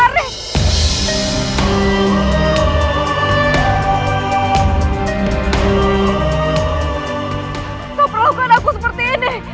tidak perlu aku seperti ini